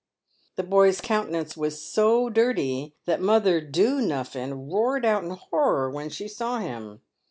The boy's countenance was so dirty that Mother Doo nuffin roared out in horror when she saw him.